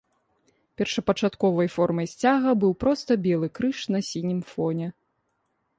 Першапачатковай формай сцяга быў проста белы крыж на сінім фоне.